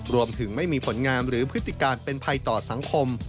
รวมถึงไม่มีผลงานหรือพฤติการเป็นภัยต่อสังคม